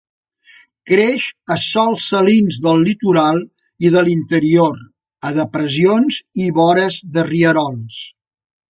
Creix a sòls salins del litoral i de l'interior, a depressions i vores de rierols.